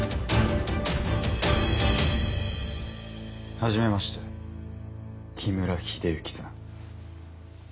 初めまして木村秀幸さん。